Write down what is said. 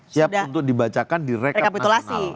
siap untuk dibacakan di rekap nasional